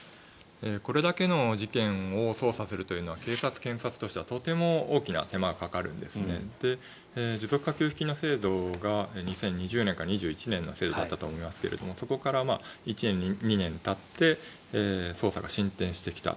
これだけの事件を捜査するというのは警察、検察としてはとても大きな手間がかかるんです持続化給付金の制度が２０２０年から２０２１年の制度だったと思いますがそこから１年、２年たって捜査が進展してきた。